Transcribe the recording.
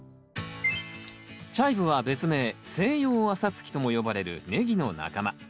チャイブは別名「セイヨウアサツキ」とも呼ばれるネギの仲間。